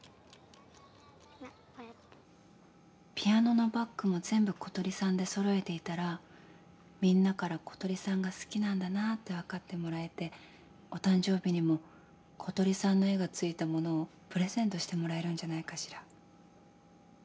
ピアノのバッグも全部小鳥さんでそろえていたらみんなから小鳥さんが好きなんだなって分かってもらえて、お誕生日にも小鳥さんの絵がついたものをプレゼントしてもらえるんじゃないかしら。